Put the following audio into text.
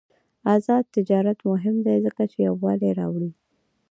آزاد تجارت مهم دی ځکه چې یووالي راوړي.